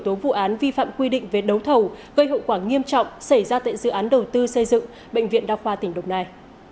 tố vụ án vi phạm quy định về đấu thầu gây hậu quả nghiêm trọng xảy ra tại dự án đầu tư xây dựng bệnh viện đa khoa tỉnh đồng nai